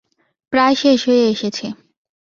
প্রায় শেষ হয়ে এসেছে।